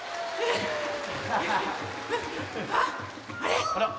あっあれっ？